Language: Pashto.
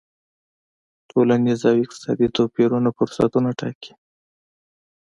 ټولنیز او اقتصادي توپیرونه فرصتونه ټاکي.